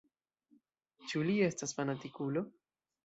Ĉu li estas fanatikulo?